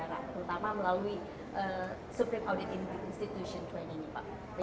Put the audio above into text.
terutama melalui supreme audit institusi ini pak